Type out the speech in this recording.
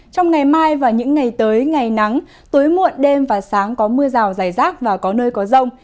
trong ngày mai và những ngày tới ngày nắng tối muộn đêm và sáng có mưa rào dài rác và có nơi có rông